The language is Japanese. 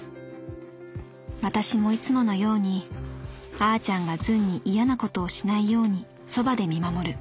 私もいつものようにあーちゃんがズンに嫌なことをしないようにそばで見守る」。